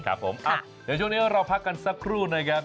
เดี๋ยวช่วงนี้เราพักกันสักครู่นะครับ